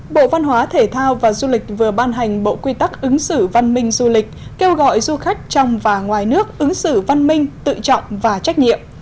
bộ văn hóa thể thao và du lịch vừa ban hành bộ quy tắc ứng xử văn minh du lịch kêu gọi du khách trong và ngoài nước ứng xử văn minh tự trọng và trách nhiệm